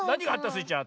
スイちゃん